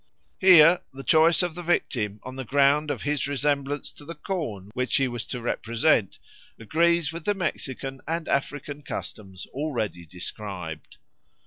Here the choice of the victim on the ground of his resemblance to the corn which he was to represent agrees with the Mexican and African customs already described.